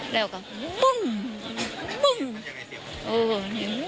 แล้วก็ปุ้งปุ้งมุ่ง